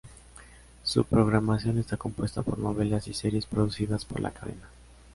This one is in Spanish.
Su programación está compuesta por novelas y series producidas por la cadena.